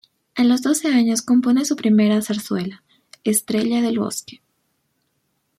A los doce años compone su primera zarzuela: "Estrella del Bosque".